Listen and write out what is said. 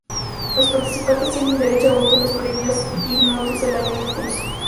Los participantes tienen derecho a voto en los premios Ignotus del año en curso.